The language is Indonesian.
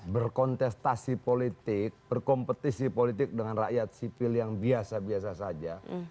berkontestasi politik berkompetisi politik dengan rakyat sipil yang biasa biasa saja